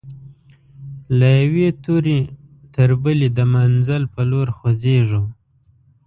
له یوې توري تر بلي د منزل پر لور خوځيږو